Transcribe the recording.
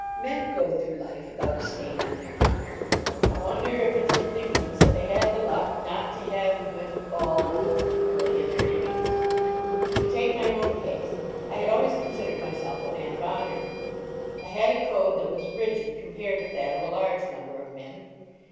Men go through life without a stain on their honour. I wonder if it simply means that they had the luck not to have the good ball bowled to them early in their innings. To take my own case. I had always considered myself a man of honour. I had a code that was rigid compared with that of a large number of men.